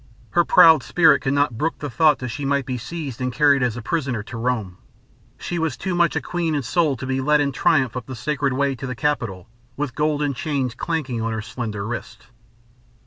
Her proud spirit could not brook the thought that she might be seized and carried as a prisoner to Rome. She was too much a queen in soul to be led in triumph up the Sacred Way to the Capitol with golden chains clanking on her slender wrists.